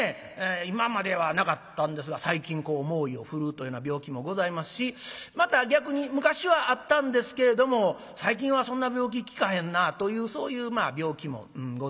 今まではなかったんですが最近こう猛威を振るうというような病気もございますしまた逆に昔はあったんですけれども最近はそんな病気聞かへんなというそういう病気もございます。